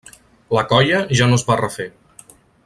La colla ja no es va refer.